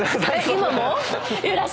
今も。